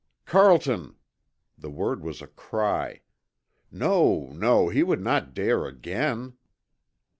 "Carlton!" The word was a cry. "No, no, he would not dare again!"